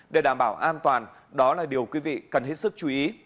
để đảm bảo an toàn đó là điều quý vị cần hết sức chú ý